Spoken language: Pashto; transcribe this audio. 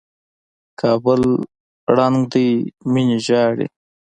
کابل ړنګ دى ميني ژاړي